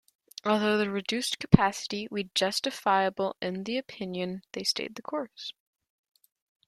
Although the reduced capacity was justifiable in their opinion, they stayed the course.